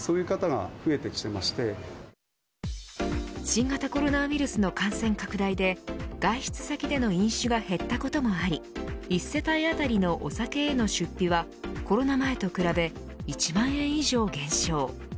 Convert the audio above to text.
新型コロナウイルスの感染拡大で外出先での飲酒が減ったこともあり１世帯当たりのお酒への出費はコロナ前と比べ１万円以上減少。